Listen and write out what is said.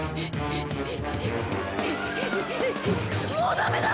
もうダメだ。